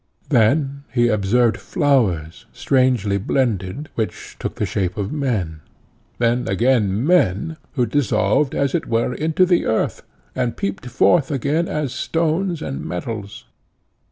Then he observed flowers, strangely blended, which took the shape of men, then again men, who dissolved as it were into the earth, and peeped forth again as stones and metals.